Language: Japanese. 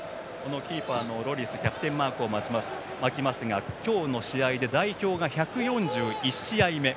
キーパーのロリスキャプテンマークを巻きますが今日の試合で代表１４１試合目。